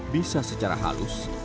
bisa secara halus